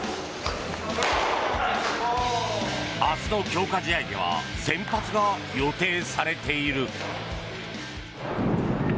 明日の強化試合では先発が予定されている。